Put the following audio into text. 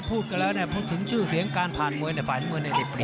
พูดกันแล้วพูดถึงชื่อเสียงการผ่านมวยในฝ่ายมือในเด็กดิม